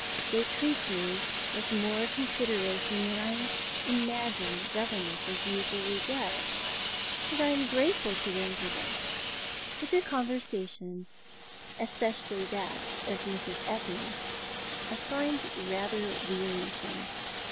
They treat me with more consideration than I imagine governesses usually get, and I am grateful to them for this, but their conversation, especially that of Mrs. Epping, I find rather wearisome.